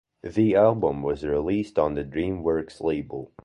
The album was released on the DreamWorks label.